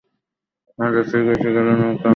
আজ আছি ভেসে-চলা ভাঙা নৌকো আঁকড়িয়ে।